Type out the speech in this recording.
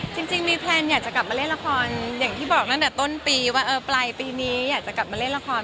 จริงมีแพลนอยากจะกลับมาเล่นละครอย่างที่บอกตั้งแต่ต้นปีว่าเออปลายปีนี้อยากจะกลับมาเล่นละคร